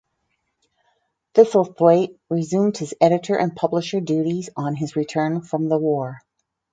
Thistlethwaite resumed his editor and publisher duties on his return from the war.